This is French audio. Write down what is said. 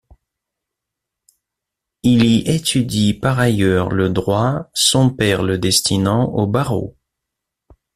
Il y étudie par ailleurs le droit, son père le destinant au barreau.